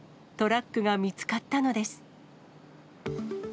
トラックが見つかったのです。